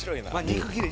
肉切れ！